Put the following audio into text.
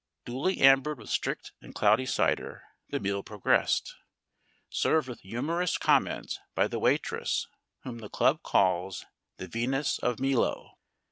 Duly ambered with strict and cloudy cider, the meal progressed, served with humorous comments by the waitress whom the club calls the Venus of Mealo.